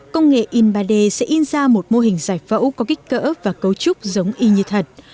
công nghệ in ba d sẽ in ra một mô hình giải phẫu có kích cỡ và cấu trúc giống y như thật